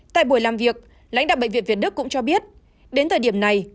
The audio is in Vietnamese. tại buổi làm việc lãnh đạo bệnh viện việt đức cũng cho biết đến thời điểm này